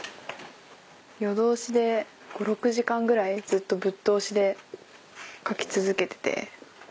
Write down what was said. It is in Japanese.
夜通しで５６時間ぐらいずっとぶっ通しで書き続けてて。